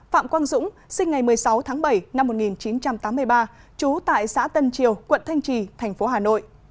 phạm quang dũng sinh ngày một mươi sáu tháng bảy năm một nghìn chín trăm tám mươi ba trú tại xã tân triều quận thanh trì thành phố hà nội